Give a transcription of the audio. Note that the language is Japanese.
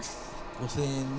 ５，０００円ね。